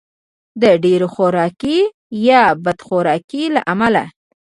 د ډېر خورګۍ یا بد خورګۍ له امله.